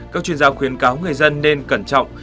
các chuyên gia khuyến cáo người dân nên cẩn trọng